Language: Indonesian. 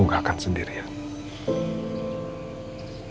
kamu gak akan sendirian